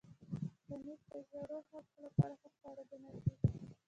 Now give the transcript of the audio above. پنېر د زړو خلکو لپاره ښه خواړه ګڼل کېږي.